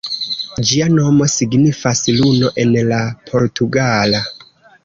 Ĝia nomo signifas "luno" en la portugala.